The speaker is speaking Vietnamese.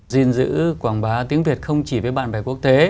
gìn giữ quảng bá tiếng việt không chỉ với bạn bè quốc tế